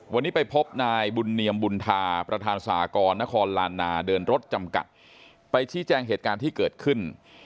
วันนี้ไปพบนายบุญเนียมบุญธาประธานสหกรนครลานนาเดินรถจำกัดไปชี้แจงเหตุการณ์ที่เกิดขึ้น